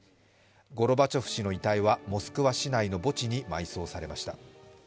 ゴルバチョフ氏の遺体はモスクワ市内の墓地に埋葬されました。